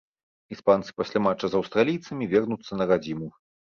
Іспанцы пасля матча з аўстралійцамі вернуцца на радзіму.